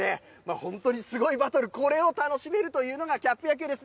本当にすごいバトル、これを楽しめるというのが、キャップ野球です。